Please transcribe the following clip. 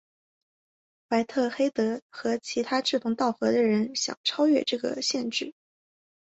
怀特黑德和其他志同道合的人想超越这个限制。